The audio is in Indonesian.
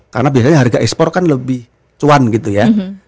karena biasanya harga ekspor kan lebih cuan gitu ya